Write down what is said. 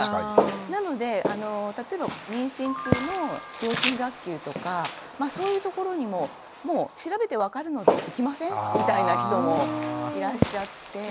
なので例えば妊娠中の両親学級とかまあそういう所にももう調べて分かるので行きませんみたいな人もいらっしゃって。